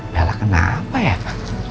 bel kenapa ya pak